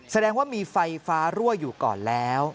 แสดงว่ามีไฟฟ้ารั่วอยู่ก่อนแล้ว